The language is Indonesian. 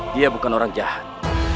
dia bukan orang jahat